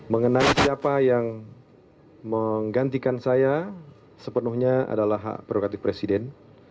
mengenai siapa yang menggantikan saya sepenuhnya adalah hak prerogatif presiden